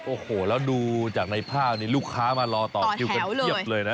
โอ้โหแล้วดูจากในภาพนี้ลูกค้ามารอต่อคิวกันเพียบเลยนะ